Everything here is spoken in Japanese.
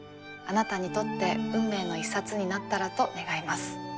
あなたにとって運命の一冊になったらと願います。